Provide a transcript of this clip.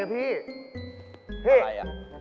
เฮ้ยพี่